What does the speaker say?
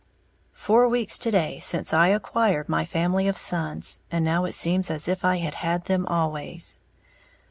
_ Four weeks to day since I acquired my family of sons, and now it seems as if I had had them always.